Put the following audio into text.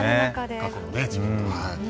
過去の自分と。